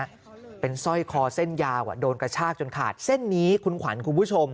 เป็นสร้อยคอเส้นยาวโดนกระชากจนขาดเส้นนี้คุณขวัญคุณผู้ชม